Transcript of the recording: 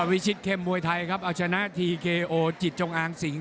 วิชิตเข้มมวยไทยครับเอาชนะทีเคโอจิตจงอางสิง